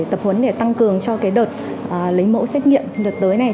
tập huấn để tăng cường cho đợt lấy mẫu xét nghiệm đợt tới này